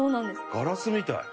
ガラスみたい。